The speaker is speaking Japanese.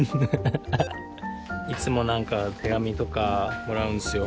いつも何か手紙とかもらうんですよ。